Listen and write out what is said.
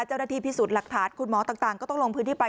เจ้าหน้าที่พิสูจน์หลักฐานคุณหมอต่างก็ต้องลงพื้นที่ไป